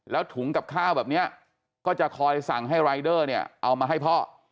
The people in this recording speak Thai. แล้วถุงกับข้าวแบบนี้ก็จะคอยสั่งให้รายเดอร์เนี่ยเอามาให้พ่อ